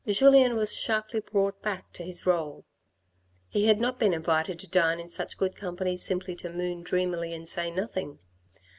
Julien was sharply brought back to his role. He had not been invited to dine in such good company simply to moon dreamily and say nothing.